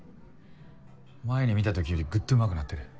前に見た時よりグッと上手くなってる。